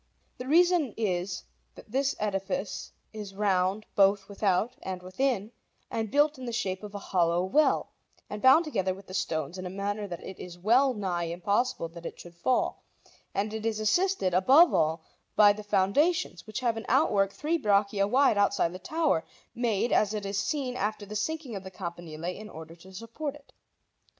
The reason is that this edifice is round both without and within and built in the shape of a hollow well, and bound together with the stones in a manner that it is well nigh impossible that it should fall; and it is assisted, above all, by the foundations, which have an outwork three braccia wide outside the tower, made, as it is seen, after the sinking of the campanile, in order to support it.